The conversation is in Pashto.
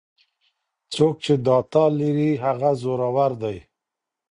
څوک چې ډاټا لري هغه زورور دی.